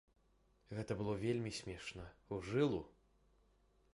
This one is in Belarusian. Гэта было вельмі смешна, у жылу.